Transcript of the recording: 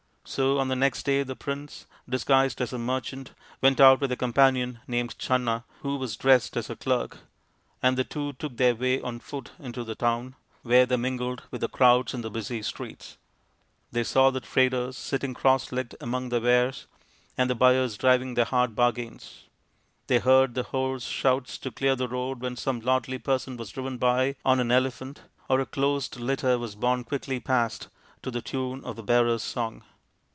So on the next day the prince, disguised as a merchant, went out with a companion named Channa who was dressed as a clerk, and the two took their way on foot into the town, where they mingled with the crowds in the busy streets. They saw the traders sitting cross legged among their wares, and the buyers driving their hard bargains. They heard the hoarse shouts to clear the road when some lordly person was driven by on an elephant, or a closed litter was borne quickly past to the tune of the bearers' song.